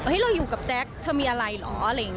เฮ้ยเราอยู่กับแจ๊คเธอมีอะไรเหรอ